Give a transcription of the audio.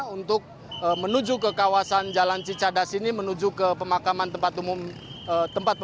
untuk menuju ke kawasan jalan cicadas ini menuju ke tempat pemakaman umum cikutra